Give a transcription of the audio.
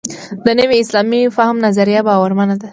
د نوي اسلامي فهم نظریه باورمنه ده.